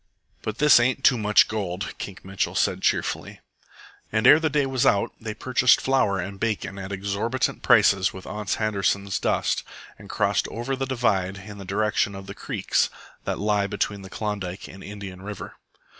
"But this ain't Too Much Gold," Kink Mitchell said cheerfully. And ere the day was out they purchased flour and bacon at exorbitant prices with Ans Handerson's dust and crossed over the divide in the direction of the creeks that lie between Klondike and Indian River.